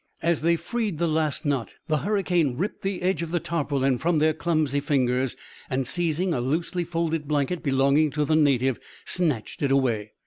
As they freed the last knot the hurricane ripped the edge of the tarpaulin from their clumsy fingers, and, seizing a loosely folded blanket belonging to the native, snatched it away.